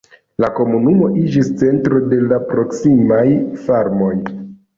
La komunumo iĝis centro de la proksimaj farmoj.